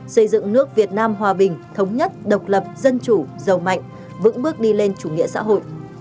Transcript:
xây dựng nước việt nam hòa bình thống nhất độc lập dân chủ giàu mạnh vững bước đi lên chủ nghĩa xã hội